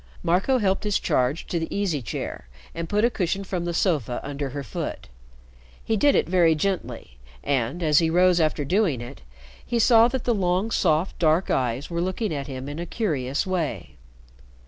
Marco helped his charge to the easy chair and put a cushion from the sofa under her foot. He did it very gently, and, as he rose after doing it, he saw that the long, soft dark eyes were looking at him in a curious way.